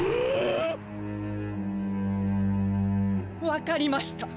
分かりました。